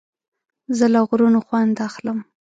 زه له غرونو خوند اخلم.